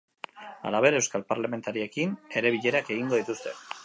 Halaber, euskal parlamentariekin ere bilerak egingo dituzte.